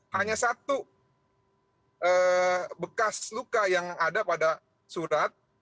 hanya satu bekas luka yang ada pada surat